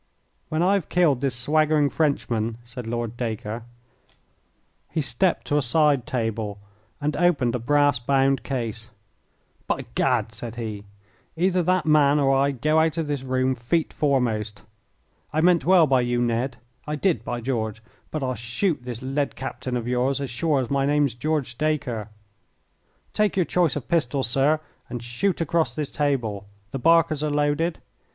"When I've killed this swaggering Frenchman," said Lord Dacre. He stepped to a side table and opened a brass bound case. "By Gad," said he, "either that man or I go out of this room feet foremost. I meant well by you, Ned; I did, by George, but I'll shoot this led captain of yours as sure as my name's George Dacre. Take your choice of pistols, sir, and shoot across this table. The barkers are loaded.